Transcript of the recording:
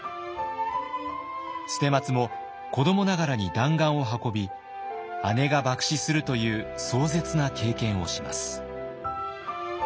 捨松も子どもながらに弾丸を運び姉が爆死するという壮絶な経験をします。